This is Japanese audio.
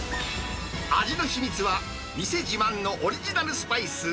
味の秘密は、店自慢のオリジナルスパイス。